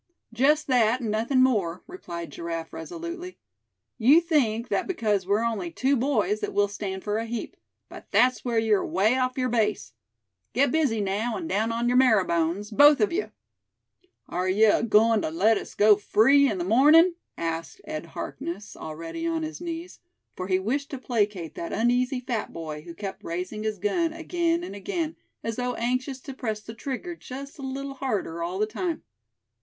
"Just that, and nothing more," replied Giraffe, resolutely. "You think that because we're only two boys that we'll stand for a heap; but that's where you're away off your base. Get busy now, and down on your marrowbones, both of you!" "Air yuh agoin' tuh let us go free in the mornin'?" asked Ed Harkness, already on his knees, for he wished to placate that uneasy fat boy, who kept raising his gun again and again, as though anxious to press the trigger just a little harder all the time.